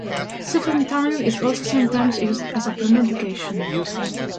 Sufentanil is also sometimes used as a premedication.